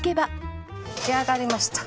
出来上がりました。